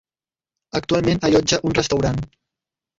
Actualment allotja un restaurant.